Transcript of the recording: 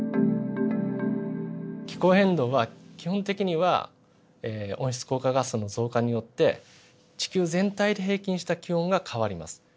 気候変動は基本的には温室効果ガスの増加によって地球全体で平均した気温が変わります。